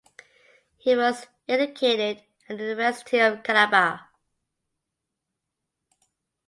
He was educated at the University of Calabar.